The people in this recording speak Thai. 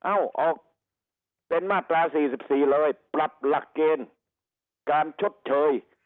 เอ้าออกเป็นมาตรา๔๔เลยปรับหลักเกณฑ์การชดเชย